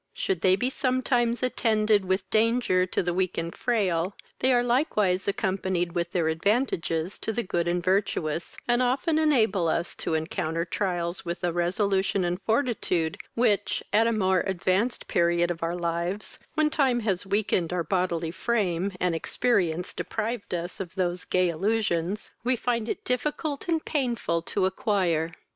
Should they be sometimes attended with danger to the weak and frail, they are likewise accompanied with their advantages to the good and virtuous, and often enable us to encounter trials with a resolution and fortitude, which, at a more advanced period of our lives, when time has weakened our bodily frame, and experience deprived us of those gay illusions, we find it difficult and painful to acquire.